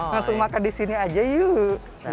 langsung makan disini aja yuk